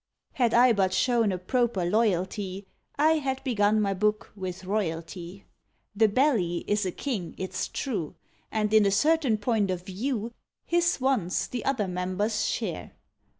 Had I but shown a proper loyalty, I had begun my book with royalty. The Belly is a king, it's true, And in a certain point of view His wants the other members share.